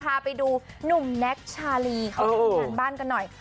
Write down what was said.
พาไปดูหนุ่มแน็กชาลีเขาทำงานบ้านกันหน่อย